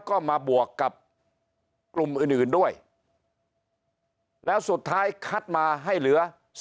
ก็มาบวกกับกลุ่มอื่นด้วยแล้วสุดท้ายคัดมาให้เหลือ